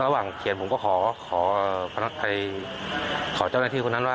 ระหว่างเขียนผมก็ขอเจ้าแนวที่คนนั้นว่า